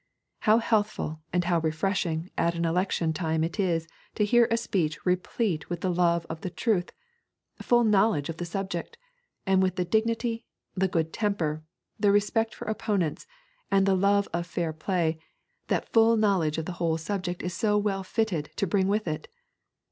How healthful and how refreshing at an election time it is to hear a speech replete with the love of the truth, full knowledge of the subject, and with the dignity, the good temper, the respect for opponents, and the love of fair play that full knowledge of the whole subject is so well fitted to bring with it!